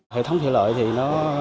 hệ thống thủy lợi thì nó